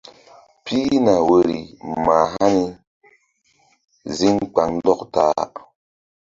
Pihna woyri mah hani zíŋ kpaŋndɔk ta-a.